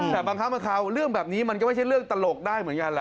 แต่บางครั้งบางคราวเรื่องแบบนี้มันก็ไม่ใช่เรื่องตลกได้เหมือนกันแหละ